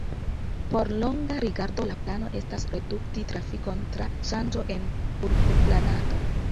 Por longa rigardo la plano estas redukti trafikon tra ŝanĝo en urboplanado.